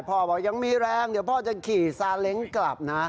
พ่อก็ยังมีแรงพ่อจะขี่สาเล้งกลับนะ